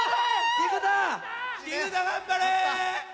菊田頑張れ！